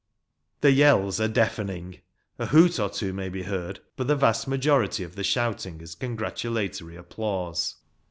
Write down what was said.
The yells are deafening ; a hoot or two may be heard, but the vast majority of the shouting is con gratulatory applause.